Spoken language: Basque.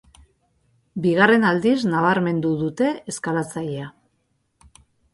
Bigarren aldiz nabarmedu dute eskalatzailea.